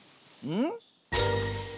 うん？